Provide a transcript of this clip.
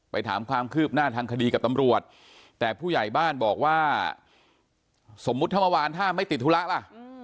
ถามความคืบหน้าทางคดีกับตำรวจแต่ผู้ใหญ่บ้านบอกว่าสมมุติถ้าเมื่อวานถ้าไม่ติดธุระล่ะ